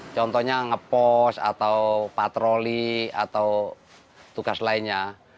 contohnya nge post atau patroli atau tugas lainnya